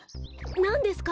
なんですか？